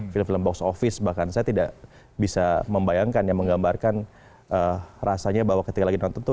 film film box office bahkan saya tidak bisa membayangkan ya menggambarkan rasanya bahwa ketika lagi nonton tuh